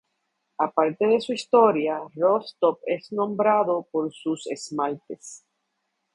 Aparte de su historia, Rostov es renombrado por sus esmaltes.